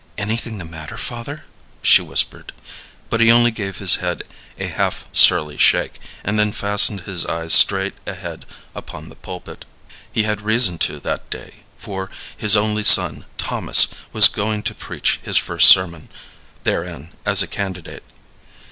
"Anything the matter, father?" she whispered; but he only gave his head a half surly shake, and then fastened his eyes straight ahead upon the pulpit. He had reason to that day, for his only son, Thomas, was going to preach his first sermon therein as a candidate.